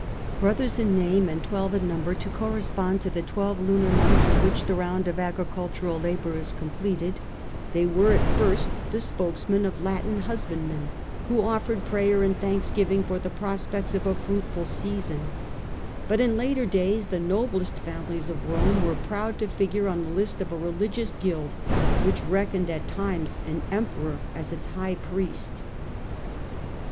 Brothers in name, and twelve in number, to correspond to the twelve lunar months in which the round of agricultural labour is completed, they were at first the spokesmen of the Latin husbandmen who offered prayer and thanks giving for the prospects of a fruitful season ; but in latei days the noblest families of Rome were proud to figure on the list of a religious guild which reckoned at times an Emperor for its high priest. forms of Worship Sanctioned hy the State.